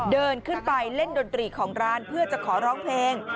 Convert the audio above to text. เดินขึ้นไปเล่นดนตรีของร้านเพื่อจะขอร้องเพลง